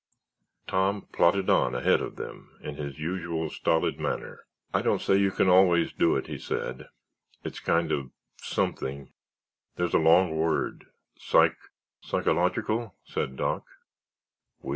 Tom plodded on ahead of them, in his usual stolid manner. "I don't say you can always do it," he said; "it's kind of—something—there's a long word—sike——" "Psychological?" said Doc.